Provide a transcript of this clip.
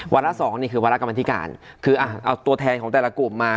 ระสองนี่คือวาระกรรมธิการคือเอาตัวแทนของแต่ละกลุ่มมา